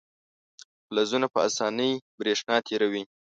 فلزونه په اسانۍ برېښنا تیروي.